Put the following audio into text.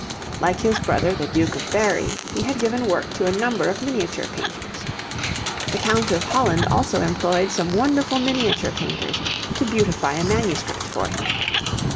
Like his brother the Duke of Berry, he had given work to a number of miniature painters. The Count of Holland also employed some wonderful miniature painters to beautify a manuscript for him.